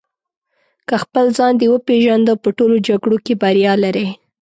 که خپل ځان دې وپېژنده په ټولو جګړو کې بریا لرې.